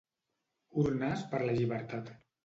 Urnes per la llibertat'